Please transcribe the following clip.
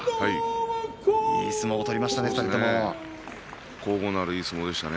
いい相撲を取りましたね